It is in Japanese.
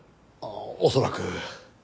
恐らく。